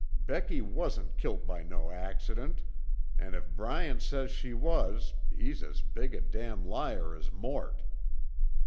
Becky wasn't kilt by no accident, an' if Bryant says she was he's as big a damn liar as Mort."